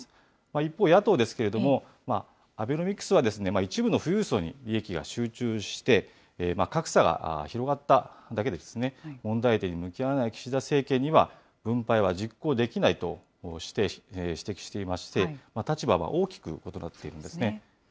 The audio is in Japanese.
一方、野党ですけれども、アベノミクスは一部の富裕層に利益が集中して、格差が広がっただけ、問題点に向き合わない岸田政権には、分配は実行できないと指摘していまして、立場は大きく異なっているんですね。